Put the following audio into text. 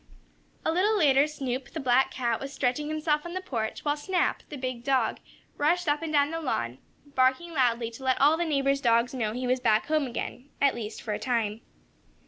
A little later Snoop, the black cat, was stretching himself on the porch, while Snap, the big dog, rushed up and down the lawn, barking loudly to let all the neighbors' dogs know he was back home again at least for a time.